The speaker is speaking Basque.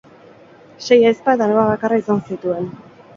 Sei ahizpa eta neba bakarra izan zituen.